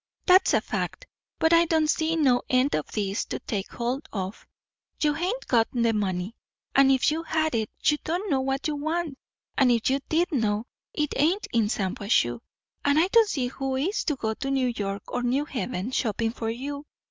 "That's a fact; but I don't see no end o' this to take hold of. You hain't got the money; and if you had it, you don't know what you want; and if you did know, it ain't in Shampuashuh; and I don't see who is to go to New York or New Haven, shopping for you.